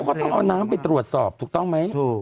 เขาต้องเอาน้ำไปตรวจสอบถูกต้องไหม